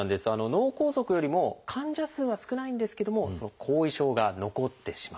脳梗塞よりも患者数は少ないんですけどもその後遺症が残ってしまう。